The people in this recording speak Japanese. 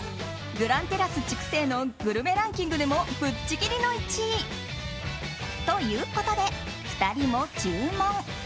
グランテラス筑西のグルメランキングでもぶっちぎりの１位。ということで２人も注文。